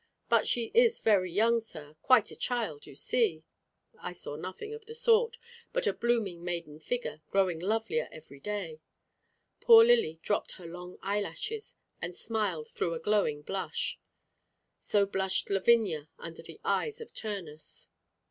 But she is very young, sir, quite a child you see." I saw nothing of the sort, but a blooming maiden figure, growing lovelier every day. Poor Lily dropped her long eyelashes, and smiled through a glowing blush. So blushed Lavinia under the eyes of Turnus.